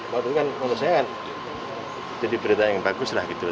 waktu itu kan menurut saya kan jadi berita yang bagus lah gitu